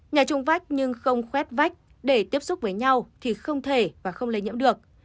nhà trung vách nhưng không khuét vách để tiếp xúc với nhau thì không thể và không lây nhiễm được